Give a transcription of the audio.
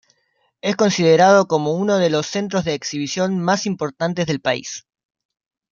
Es considerado como uno de los centros de exhibición más importantes del país.